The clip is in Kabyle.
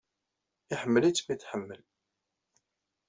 Iḥemmel-itt mi i t-tḥemmel.